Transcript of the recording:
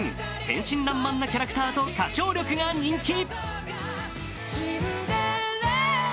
天真らんまんなキャラクターと歌唱力が人気。